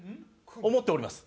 思っております。